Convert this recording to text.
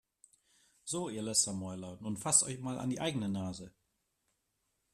So, ihr Lästermäuler, nun fasst euch mal an die eigene Nase!